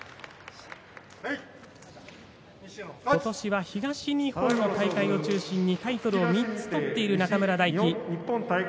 ことしは東日本の大会を中心にタイトルを３つ取っている中村泰輝。